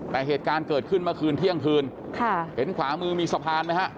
แต่เหตุการณ์เกิดขึ้นเมื่อคืนเที่ยงคืนค่ะเห็นขวามือมีสะพานไหมฮะ